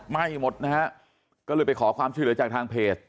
ไหม้หมดนะฮะก็เลยไปขอความช่วยเหลือจากทางเพจ